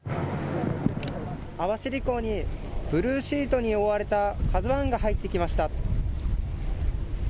網走港にブルーシートに覆われたＫＡＺＵＩが入ってきました。